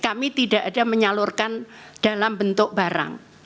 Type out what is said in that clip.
kami tidak ada menyalurkan dalam bentuk barang